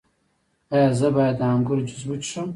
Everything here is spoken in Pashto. ایا زه باید د انګور جوس وڅښم؟